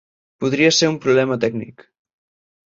Podria ser un problema tècnic.